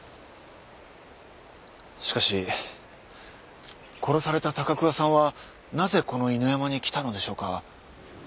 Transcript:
しかし殺された高桑さんはなぜこの犬山に来たのでしょうか？